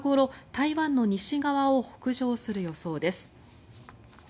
台湾の西側を北上する予定です。